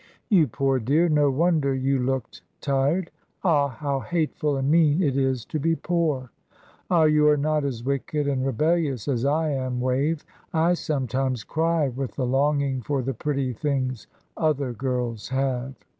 "You poor dear, no wonder you looked tired. Ah, how hateful and mean it is to be poor! Ah, you are not as wicked and rebellious as I am, Wave. I sometimes cry with the longing for the pretty things other girls have.